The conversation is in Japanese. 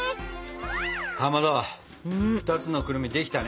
かまど２つのくるみできたね！